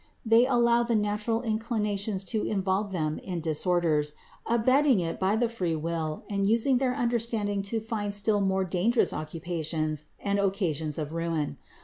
They allow the natural inclinations to involve them in disorders, abetting it by the free will and using their understanding to find still more dangerous occupations and occasions of ruin.